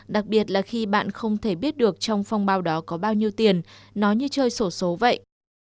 đặc biệt là khi bạn không thể biết được trong phong bao đó có bao nhiêu tiền nó như chơi sổ số vậy